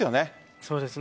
そうですね。